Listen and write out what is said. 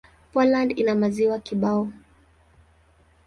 Poland ina maziwa kibao.